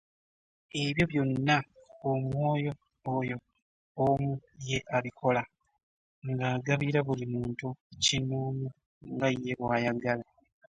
Ebyo byonna Omwoyo oyo omu ye abikola, ng'agabira buli muntu kinnoomu nga ye bw'ayagala.